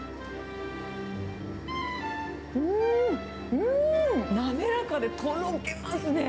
うーん、うーん、なめらかでとろけますね。